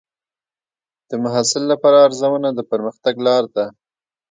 د محصل لپاره ارزونه د پرمختګ لار ده.